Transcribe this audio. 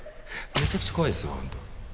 めちゃくちゃ怖いですよ本当。